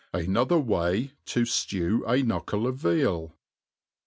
Another way^ to Jlew a Knuckle of Veal.